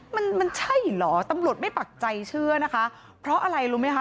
มันมันใช่เหรอตำรวจไม่ปักใจเชื่อนะคะเพราะอะไรรู้ไหมคะ